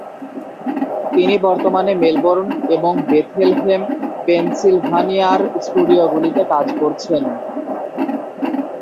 তিনি বর্তমানে মেলবোর্ন এবং বেথলেহেম, পেনসিলভানিয়ার স্টুডিওগুলিতে কাজ করছেন।